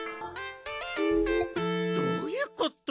どういうこと？